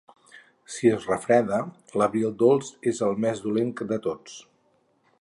Si es refreda, l'abril dolç és el més dolent de tots.